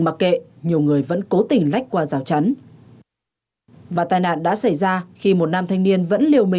là kiểu rất là kém